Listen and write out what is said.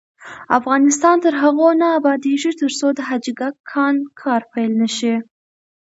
افغانستان تر هغو نه ابادیږي، ترڅو د حاجي ګک کان کار پیل نشي.